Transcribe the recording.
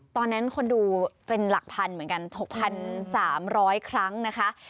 ตอนนั้นคนดูเป็นหลักพันเหมือนกัน๖๓๐๐ครั้งนะคะ